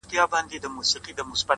د غني ـ غني خوځښته قدم اخله;